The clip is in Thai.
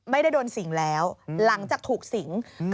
ไม่ได้โดนสิ่งแล้วหลังจากถูกสิง